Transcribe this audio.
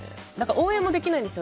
応援もできないんですよ。